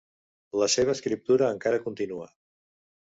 La seva escriptura encara continua.